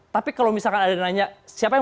tapi kalau misalkan ada nanya siapa yang